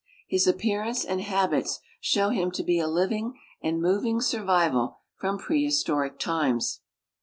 His appearance and habits show him to be a living and moving survival from jDrehistoric times.